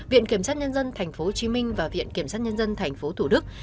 viện kiểm sát nhân dân tp hcm và viện kiểm sát nhân dân tp thủ đức